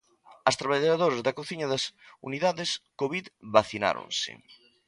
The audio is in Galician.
As traballadoras da cociña das unidades covid vacináronse.